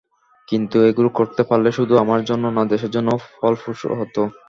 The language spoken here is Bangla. কিন্তু এগুলো করতে পারলে শুধু আমার জন্য না, দেশের জন্যও ফলপ্রসূ হতো।